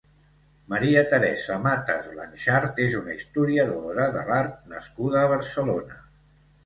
Maria Teresa Matas Blanxart és una historiadora de l'art nascuda a Barcelona.